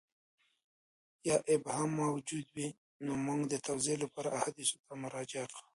یا ابهام موجود وي نو موږ د توضیح لپاره احادیثو ته مراجعه کوو.